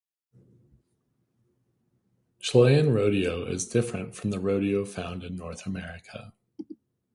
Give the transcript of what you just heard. Chilean rodeo is different from the rodeo found in North America.